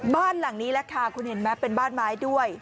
บ้านหลังนี้แหละค่ะคุณเห็นไหมเป็นบ้านไม้ด้วย